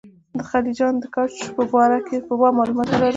د خلجیانو د کوچ په باب معلومات نه لرو.